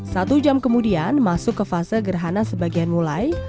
satu jam kemudian masuk ke fase gerhana sebagian mulai